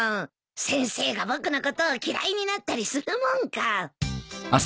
先生が僕のことを嫌いになったりするもんか。